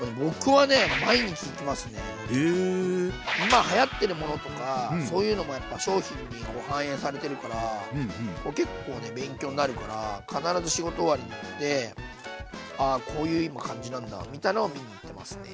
今流行ってるものとかそういうのもやっぱ商品に反映されてるから結構ね勉強になるから必ず仕事終わりに行ってあこういう今感じなんだみたいのを見に行ってますね。